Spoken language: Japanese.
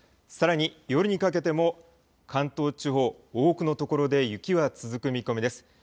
さらに夜にかけても関東地方、多くの所で雪は続く見込みです。